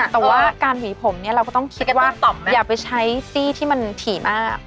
แต่ว่าการหวีผมเนี่ยเราก็ต้องคิดว่าอย่าไปใช้ซี่ที่มันถี่มาก